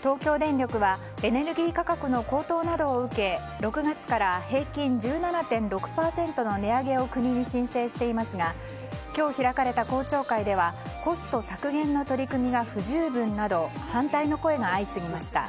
東京電力はエネルギー価格の高騰などを受け６月から平均１７．６％の値上げを国に申請していますが今日、開かれた公聴会ではコスト削減の取り組みが不十分など反対の声が相次ぎました。